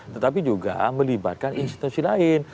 tetapi juga melibatkan institusi lain